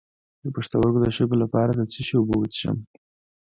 د پښتورګو د شګو لپاره د څه شي اوبه وڅښم؟